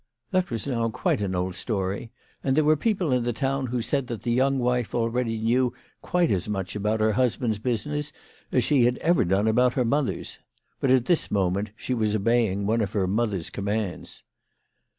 That was now quite an old story, and there were people in the town who said that the young wife already knew quite as much about her husband's business as she had ever done about her mother's. But at this moment she was obeying one of her mother's commands.